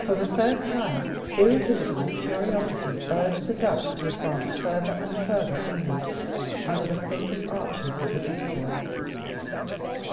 For the third time irresistible curiosity urged the ducks to advance further and further inward, under the fatal arches of the decoy.